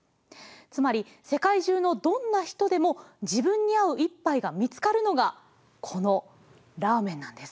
つまり世界中のどんな人でも自分に合う一ぱいが見つかるのがこのラーメンなんです。